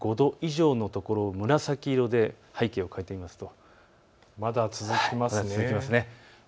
３５度以上のところを紫色で背景を変えてみますと、まだ続きますね。